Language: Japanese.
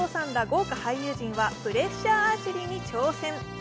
豪華俳優陣はプレッシャーアーチェリーに挑戦。